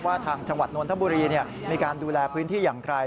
ทางจังหวัดนทบุรีมีการดูแลพื้นที่อย่างไร